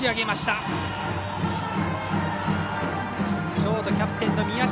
ショートキャプテンの宮下。